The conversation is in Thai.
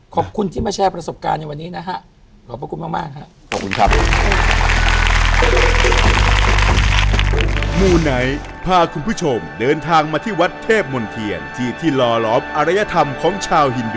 ขอบคุณที่มาแชร์ประสบการณ์ในวันนี้นะฮะ